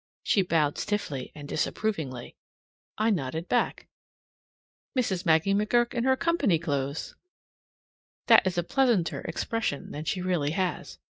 She bowed stiffly, and disapprovingly; and I nodded back. Mrs. Maggie McGurk in her company clothes! That is a pleasanter expression than she really has.